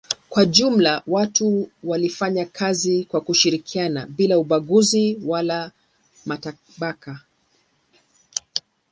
Kwa jumla watu walifanya kazi kwa kushirikiana bila ubaguzi wala matabaka.